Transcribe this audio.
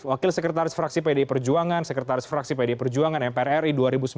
wakil sekretaris fraksi pdi perjuangan sekretaris fraksi pd perjuangan mpr ri dua ribu sembilan belas dua ribu dua